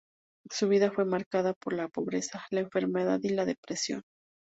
Su vida fue marcada por la pobreza, la enfermedad y la depresión.